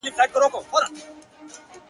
قلاګاني د بابا له ميراثونو.!